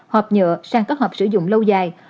họp nhựa sang các họp sử dụng lâu dài